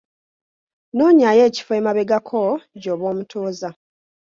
Noonyaayo ekifo emabegako gy'oba omutuuza.